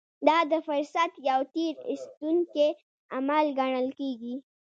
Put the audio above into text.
دا د فرصت يو تېر ايستونکی عمل ګڼل کېږي.